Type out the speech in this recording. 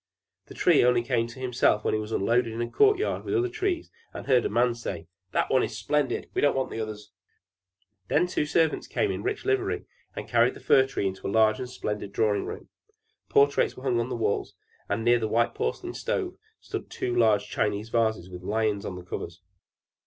The Tree only came to himself when he was unloaded in a court yard with the other trees, and heard a man say, "That one is splendid! We don't want the others." Then two servants came in rich livery and carried the Fir Tree into a large and splendid drawing room. Portraits were hanging on the walls, and near the white porcelain stove stood two large Chinese vases with lions on the covers.